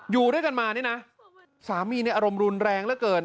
อยู่ด้วยกันมานี่นะสามีในอารมณ์รุนแรงเหลือเกิน